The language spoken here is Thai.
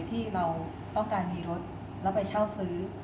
ที่เราต้องการมีรถแล้วไปเช่าซื้อ